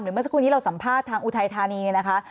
เมื่อสักครู่นี้เราสัมภาษณ์ทางอุทัยธานีเนี่ยนะคะ